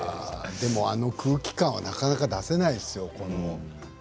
でもあの空気感はなかなか出せないですよ。